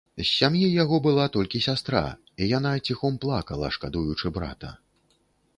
З сям'і яго была толькі сястра, і яна ціхом плакала, шкадуючы брата.